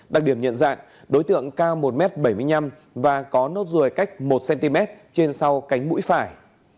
đặc điểm nhận dạng đối tượng cao một m bảy mươi năm và có nốt ruồi cách một cm trên sau cánh mũi phải